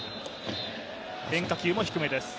変化球も低めです。